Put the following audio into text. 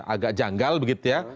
agak janggal begitu ya